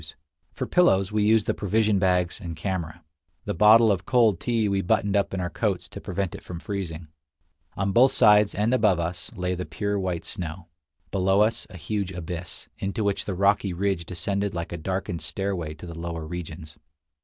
64 Across Asia on a Bicycle For pillows we used the provision bags and camera. The bottle of cold tea we buttoned up in our coats to prevent it from freezing. On both sides, and above us, lay the pure white snow; below us a huge abyss, into which the rocky ridge descended like a darkened stairway to the lower regions.